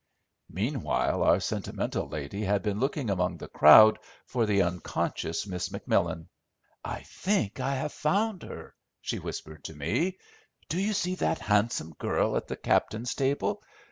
Meanwhile our sentimental lady had been looking among the crowd for the unconscious Miss McMillan. "I think I have found her," she whispered to me. "Do you see that handsome girl at the captain's table.